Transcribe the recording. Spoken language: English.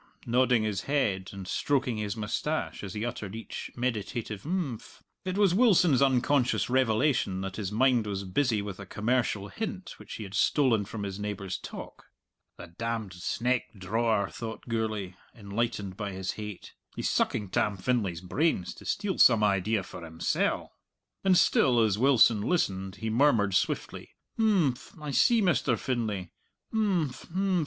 nodding his head and stroking his moustache as he uttered each meditative "imphm." It was Wilson's unconscious revelation that his mind was busy with a commercial hint which he had stolen from his neighbour's talk. "The damned sneck drawer!" thought Gourlay, enlightened by his hate; "he's sucking Tam Finlay's brains, to steal some idea for himsell!" And still as Wilson listened he murmured swiftly, "Imphm! I see, Mr. Finlay; imphm!